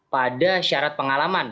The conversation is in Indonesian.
pada syarat pengalaman